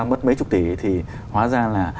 mất mấy chục tỷ thì hóa ra là